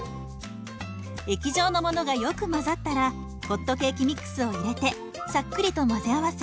液状のものがよく混ざったらホットケーキミックスを入れてさっくりと混ぜ合わせ